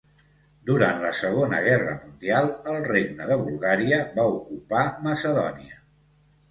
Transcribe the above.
Durant la Segona Guerra Mundial el regne de Bulgària va ocupar Macedònia.